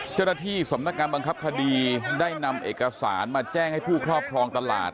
เจ้าหน้าที่สำนักการบังคับคดีได้นำเอกสารมาแจ้งให้ผู้ครอบครองตลาด